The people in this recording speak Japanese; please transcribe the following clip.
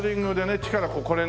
力これね。